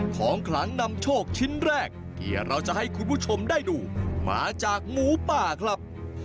ของขลังนำโชคชิ้นแรกที่เราจะให้คุณผู้ชมได้ดูมาจากหมูป่าครับ